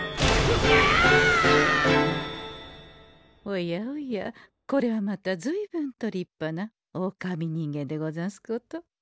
おやおやこれはまたずいぶんと立派なおおかみ人間でござんすこと。